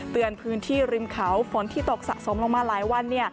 พื้นที่ริมเขาฝนที่ตกสะสมลงมาหลายวัน